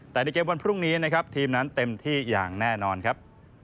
แต่ในเกมวันพรุ่งนี้นะครับทีมนั้นเต็มที่อย่างแน่นอนครับ